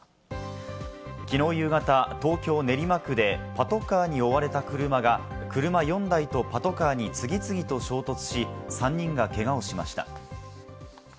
きのう夕方、東京・練馬区で、パトカーに追われた車が車４台とパトカーに次々と衝突し、３人がけがをしました。